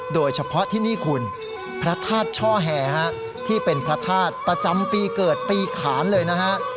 โดยเฉพาะที่นี่คุณพระธาตุช่อแห่ที่เป็นพระธาตุประจำปีเกิดปีขานเลยนะฮะ